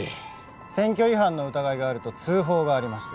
選挙違反の疑いがあると通報がありまして。